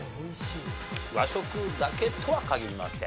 和食だけとは限りません。